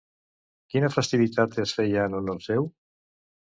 Quina festivitat es feia en honor seu?